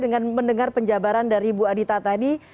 dengan mendengar penjabaran dari bu adita tadi